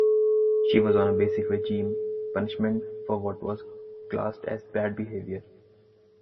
She was on a basic regime, punishment for what was classed as bad behaviour.